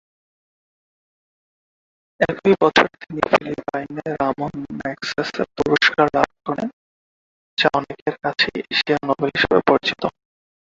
একই বছর তিনি ফিলিপাইনে রামোন ম্যাগসেসে পুরস্কার লাভ করেন, যা অনেকের কাছে এশিয়ার নোবেল হিসেবে বিবেচিত।